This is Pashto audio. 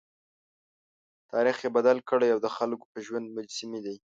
تاریخ یې بدل کړی او د خلکو په ژوند مجسمې دي.